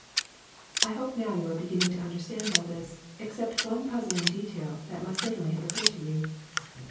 I hope now you are beginning to understand all this, except one puzzling detail that must certainly have occurred to you.